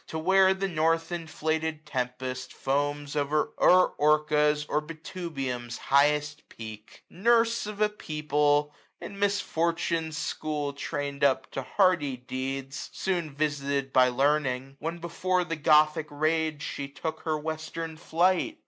To where the north inflated tempest foams 89Q O'er Orca*& or Betubium's highest peak :, Nurse of a people, in misfortune's school Train'd up to hardy deeds ; soon visited By Learning, when before the Gothic rage She took her western flight.